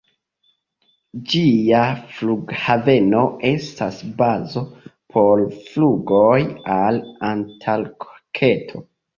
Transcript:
Ĝia flughaveno estas bazo por flugoj al Antarkto.